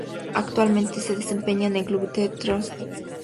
Actualmente se desempeña en Club The Strongest.